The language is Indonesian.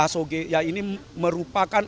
soge ya ini merupakan